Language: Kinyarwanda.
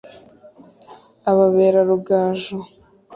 Ababera rugaju